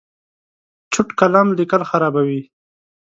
چوټ قلم لیکل خرابوي.